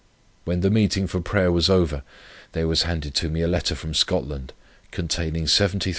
When the meeting for prayer was over, there was handed to me a letter from Scotland, containing £73 17s.